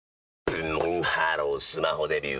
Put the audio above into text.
ブンブンハロースマホデビュー！